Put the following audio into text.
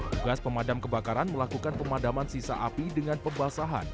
tugas pemadam kebakaran melakukan pemadaman sisa api dengan pembasahan